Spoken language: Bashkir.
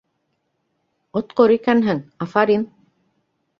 — Отҡор икәнһең, афарин!